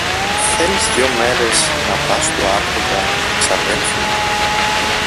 Θέλεις δυο μέρες να πας στου Άρχοντα εξαδέλφου μου;